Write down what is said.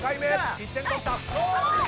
１点取った。